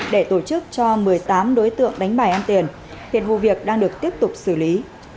để tổ chức cho một mươi tám đối tượng đánh bài ăn tiền hiện vụ việc đang được tiếp tục xử lý